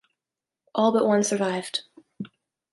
All but one survived.